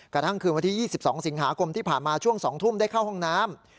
กระทั่งคืนวันที่๒๒สิงหาคมที่ผ่านมาช่วง๒ทุ่มได้เข้าห้องน้ำ